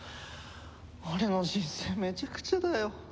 俺の人生めちゃくちゃだよ。